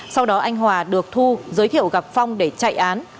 sau đó anh hòa được thu giới thiệu gặp phong để chạy án